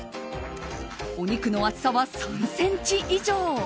お肉の厚さは３ｃｍ以上。